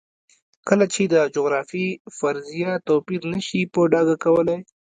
کله چې د جغرافیې فرضیه توپیر نه شي په ډاګه کولی.